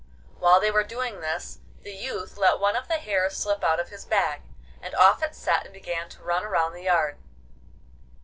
While they were doing this the youth let one of the hares slip out of his bag, and off it set and began to run round the yard.